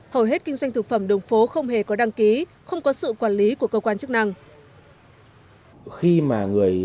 hầu hết kinh doanh thực phẩm đường phố không hề có đăng ký không có sự quản lý của cơ quan chức năng